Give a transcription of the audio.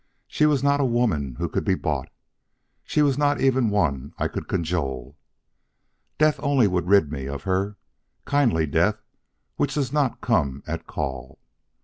She was not a woman who could be bought. She was not even one I could cajole. Death only would rid me of her; kindly death which does not come at call.